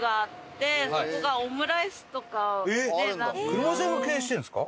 車屋さんが経営してるんですか？